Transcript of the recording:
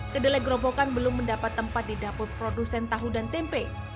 kedelai gerobokan belum mendapat tempat di dapur produsen tahu dan tempe